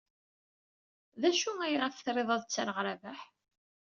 D acu ayɣef trid ad ttreɣ Rabaḥ?